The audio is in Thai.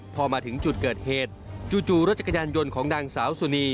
พอมาถึงจุดเกิดเหตุจู่รถจักรยานยนต์ของนางสาวสุนี